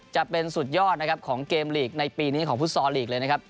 จะเป็นสุดยอดนะครับของเกมลีกในปีนี้ของฟุตซอลลีกเลยนะครับ